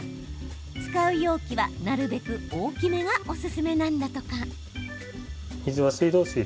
使う容器は、なるべく大きめがおすすめなんだとか。